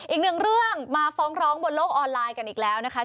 อีกหนึ่งเรื่องมาฟ้องร้องบนโลกออนไลน์กันอีกแล้วนะคะ